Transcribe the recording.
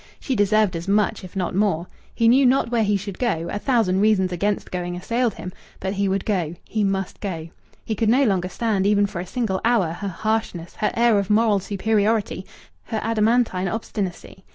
She deserved as much, if not more. He knew not where he should go; a thousand reasons against going assailed him; but he would go. He must go. He could no longer stand, even for a single hour, her harshness, her air of moral superiority, her adamantine obstinacy.